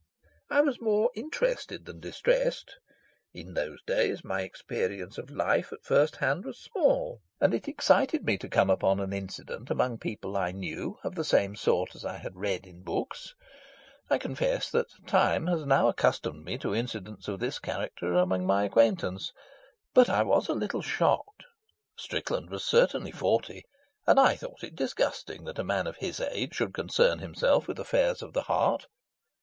I was more interested than distressed. In those days my experience of life at first hand was small, and it excited me to come upon an incident among people I knew of the same sort as I had read in books. I confess that time has now accustomed me to incidents of this character among my acquaintance. But I was a little shocked. Strickland was certainly forty, and I thought it disgusting that a man of his age should concern himself with affairs of the heart.